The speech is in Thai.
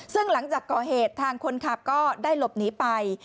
ซึ่งหลังจากก่อเหตุทางคนขับก็ได้หลบหนีไป